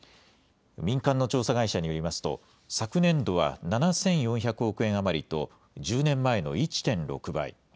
民間の調査会社によりますと、昨年度は７４００億円余りと、１０年前の１．６倍。